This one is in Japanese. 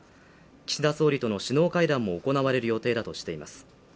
岸田総理との首脳会談も行われる予定だとしています。